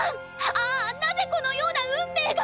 ああなぜこのような運命が⁉